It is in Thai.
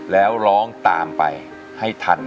แล้วร้องตามไปให้ทัน